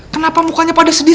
kenapa mukanya pada sedih